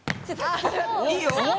いいよ。